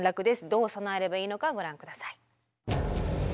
どう備えればいいのかご覧ください。